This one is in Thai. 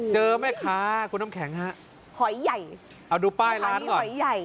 เจอไหมคะคุณน้ำแข็งฮะหอยใหญ่เอาดูป้ายร้านก่อนหอยใหญ่